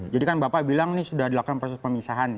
jadi kan bapak bilang ini sudah dilakukan proses pemisahan